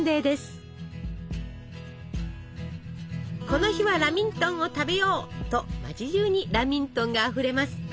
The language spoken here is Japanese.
この日は「ラミントンを食べよう」と町じゅうにラミントンがあふれます。